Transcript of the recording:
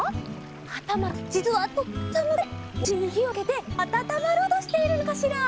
はたまたじつはとってもさむがりでおしりにひをつけてあたたまろうとしているのかしら？